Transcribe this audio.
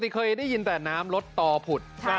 เคยได้ยินแต่น้ำรถต่อผุด